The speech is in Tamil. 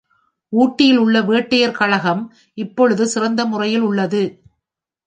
ஊட்டியிலுள்ள வேட்டையர் கழகம் இப்பொழுது சிறந்த முறையில் உள்ளது.